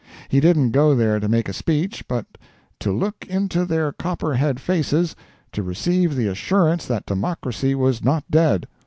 He didn't go there to make a speech, but "to look into their (Copperhead) faces, to receive the assurance that Democracy was not dead."